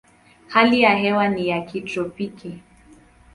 Hali ya hewa ni ya kitropiki.